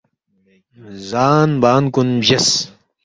زان بان کُن بجیس